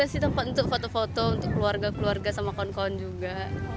pasti tempat untuk foto foto untuk keluarga keluarga sama kawan kawan juga